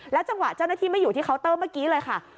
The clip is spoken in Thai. จังหวะเจ้าหน้าที่ไม่อยู่ที่เคาน์เตอร์เมื่อกี้เลยค่ะ